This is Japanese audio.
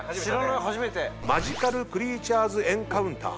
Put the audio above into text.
マジカル・クリーチャーズ・エンカウンター